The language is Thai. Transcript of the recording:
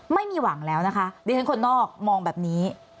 ไม่มีหวังแล้วนะคะดิฉันคนนอกมองแบบนี้